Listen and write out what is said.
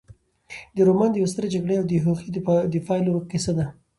دا رومان د یوې سترې جګړې او د هغې د پایلو کیسه ده.